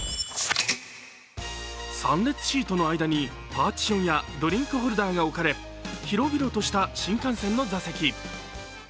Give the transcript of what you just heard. ３列シートの間にパーティションやドリンクホルダーが置かれ広々とした新幹線の座席。